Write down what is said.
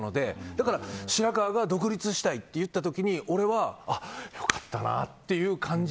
だから、白川が独立したいと言った時に俺は良かったなっていう感じ